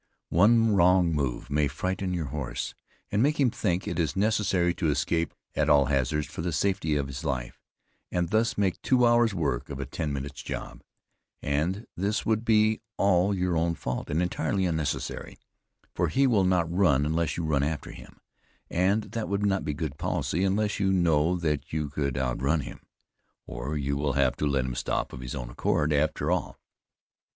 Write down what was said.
One wrong move may frighten your horse, and make him think it is necessary to escape at all hazards for the safety of his life, and thus make two hours work of a ten minutes job; and this would be all your own fault, and entirely unnecessary; for he will not run unless you run after him, and that would not be good policy, unless you knew that you could outrun him; or you will have to let him stop of his own accord after all.